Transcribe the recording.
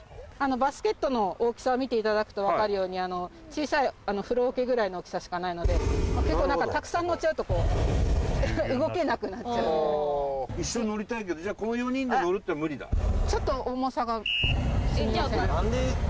バスケットの大きさを見ていただくと分かるようにあの小さい風呂桶ぐらいの大きさしかないので結構だからたくさん乗っちゃうとこう動けなくなっちゃう一緒に乗りたいけどじゃあちょっと重さが何で痩せてこないんですか